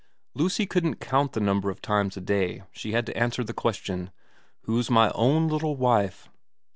Lucy couldn't count the number of times a day she had to answer the question, * Who's my own little wife